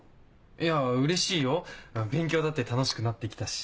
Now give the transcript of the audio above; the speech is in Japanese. いやうれしいよ勉強だって楽しくなって来たし。